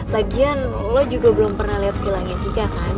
lagian lo juga belum pernah lihat vilanya tika kan